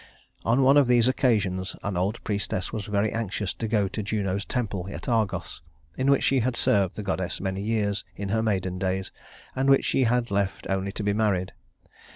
On one of these occasions, an old priestess was very anxious to go to Juno's temple at Argos, in which she had served the goddess many years in her maiden days, and which she had left only to be married.